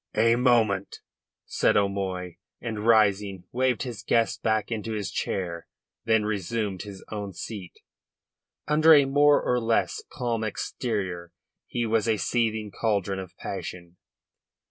"A moment," said O'Moy, and rising waved his guest back into his chair, then resumed his own seat. Under a more or less calm exterior he was a seething cauldron of passion.